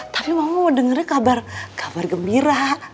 tapi mama mau dengerin kabar kabar gembira